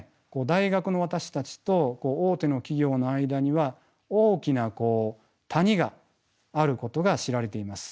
大学の私たちと大手の企業の間には大きな谷があることが知られています。